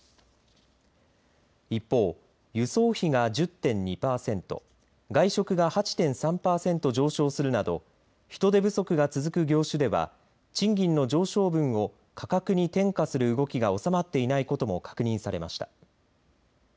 一方輸送費が１０．２パーセント外食が８．３パーセント上昇するなど人手不足が続く業種では賃金の上昇分を価格に転嫁する動きが収まっていないことも確認されました。